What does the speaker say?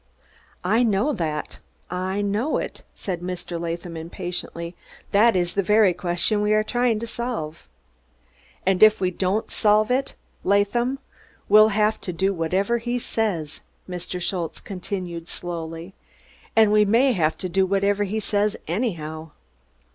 "I know that I know it," said Mr. Latham impatiently. "That is the very question we are trying to solve." "Und if we don'd solve him, Laadham, ve'll haf to do vatever as he says," Mr. Schultze continued slowly. "Und ve may haf to do vatever as he says, anywhow."